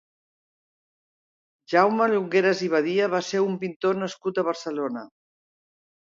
Jaume Llongueras i Badia va ser un pintor nascut a Barcelona.